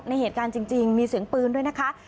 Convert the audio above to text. เหตุการณ์จริงมีเสียงปืนด้วยนะคะ